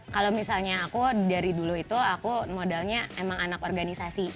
kalau misalnya aku dari dulu itu aku modalnya emang anak organisasi